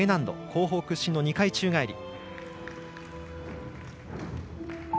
後方屈身の２回宙返り。